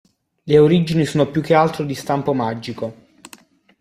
Le origini sono più che altro di stampo magico.